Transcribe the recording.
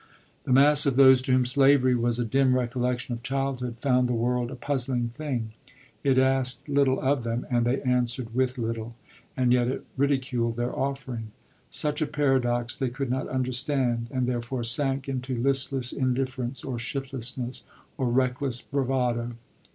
The mass of those to whom slavery was a dim recollection of childhood found the world a puzzling thing: it asked little of them, and they answered with little, and yet it ridiculed their offering. Such a paradox they could not understand, and therefore sank into listless indifference, or shiftlessness, or reckless bravado.